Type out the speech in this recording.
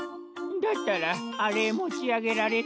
だったらあれもちあげられる？